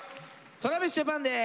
ＴｒａｖｉｓＪａｐａｎです。